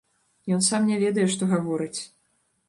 Ён сам не ведае, што гаворыць.